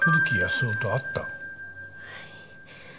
はい。